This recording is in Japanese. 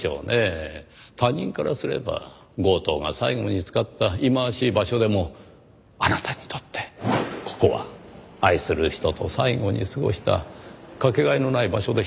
他人からすれば強盗が最後に使った忌まわしい場所でもあなたにとってここは愛する人と最後に過ごしたかけがえのない場所でした。